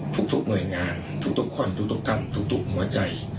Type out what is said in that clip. ทุกทุกหน่วยงานทุกทุกคนทุกทุกท่านทุกทุกหัวใจ